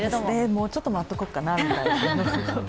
もうちょっと待っておこうかなみたいな。